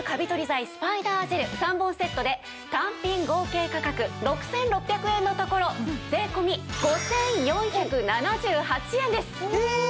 剤スパイダージェル３本セットで単品合計価格６６００円のところ税込５４７８円です。ええーっ！？